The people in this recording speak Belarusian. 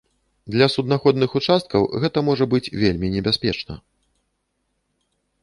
Для суднаходных участкаў гэта можа быць вельмі небяспечна.